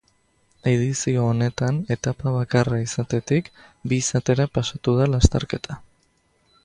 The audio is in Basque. Edizio honetan, etapa bakarra izatetik bi izatera pasatu da lasterketa.